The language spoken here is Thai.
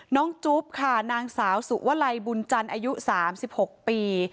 จุ๊บค่ะนางสาวสุวลัยบุญจันทร์อายุ๓๖ปี